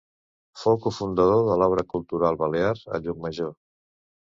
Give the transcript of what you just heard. Fou cofundador de l'Obra Cultural Balear a Llucmajor.